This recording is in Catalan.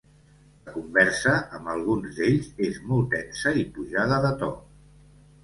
La conversa, amb alguns d’ells, és molt tensa i pujada de to.